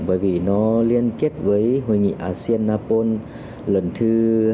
bởi vì nó liên kết với hội nghị asean apol lần thứ hai mươi chín